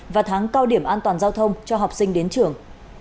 và tháng cao điểm an toàn giao thông cho học sinh đến trường